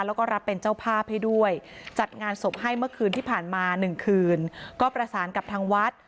แล้วก็รับเป็นเจ้าภาพให้ด้วยจัดงานศพให้เมื่อคืนที่ผ่านมา๑คืนก็ประสานกับทางวัด